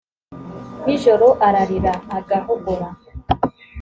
nijoro ararira agahogora